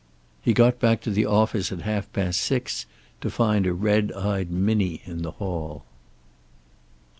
He got back to the office at half past six to find a red eyed Minnie in the hall.